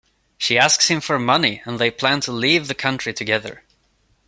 She asks him for money and they plan to leave the country together.